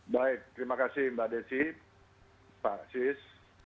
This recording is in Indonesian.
baik terima kasih mbak desi pak sis